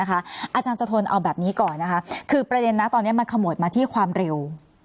อาจารย์สะทนเอาแบบนี้ก่อนนะคะคือประเด็นนะตอนนี้มันขมวดมาที่ความเร็ว